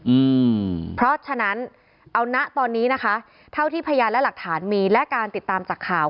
อืมเพราะฉะนั้นเอานะตอนนี้นะคะเท่าที่พยานและหลักฐานมีและการติดตามจากข่าว